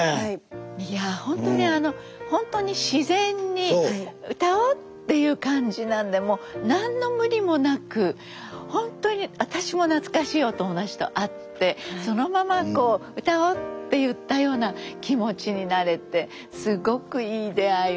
いやほんとにあのほんとに自然に「歌おう」っていう感じなんでもう何の無理もなくほんとに私も懐かしいお友達と会ってそのままこう「歌おう」って言ったような気持ちになれてすごくいい出会いを頂いたと。